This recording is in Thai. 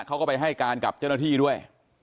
เขาก็ไปให้การกับเจ้าหน้าที่ด้วย